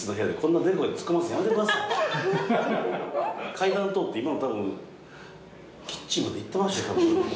階段通って今のたぶんキッチンまで行ってましたよ。